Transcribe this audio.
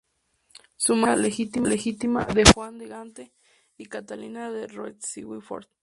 Su madre era la hija legítima de Juan de Gante y Catalina de Roet-Swynford.